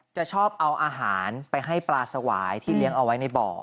ชอบเอาอาหารไปให้ปลาสวายที่เลี้ยงเอาไว้ในบ่อ